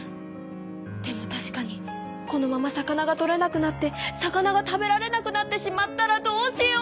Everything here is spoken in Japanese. でもたしかにこのまま魚がとれなくなって魚が食べられなくなってしまったらどうしよう。